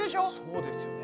そうですよね。